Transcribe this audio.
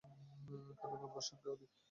কেননা, আমরা সংখ্যায় অধিক।